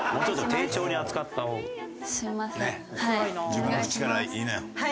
自分の口から言いなよ。